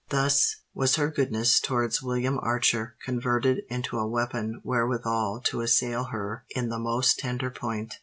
Thus was her goodness towards William Archer converted into a weapon wherewithal to assail her in the most tender point.